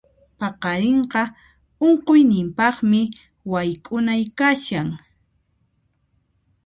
Paqarinqa unquqniypaqmi wayk'unay kashan.